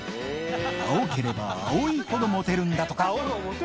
青ければ青いほどモテるんだとか。